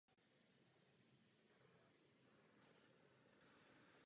Záchranná síť je nastavena v situacích, kdy zemědělci potřebují podporu.